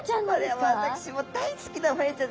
これは私も大好きなホヤちゃんです。